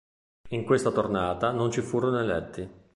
In questa tornata non ci furono eletti.